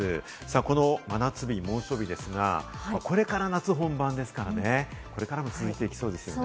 この真夏日・猛暑日ですが、これから夏本番ですからね、これからも続いていきそうですね。